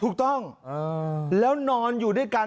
ถูกต้องแล้วนอนอยู่ด้วยกัน